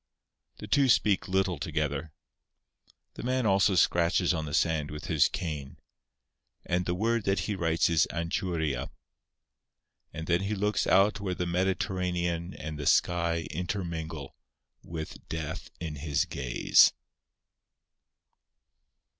The two speak little together. The man also scratches on the sand with his cane. And the word that he writes is "Anchuria." And then he looks out where the Mediterranean and the sky intermingle, with death in his gaze.